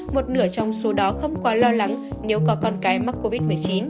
một nửa trong số đó không quá lo lắng nếu có con cái mắc covid một mươi chín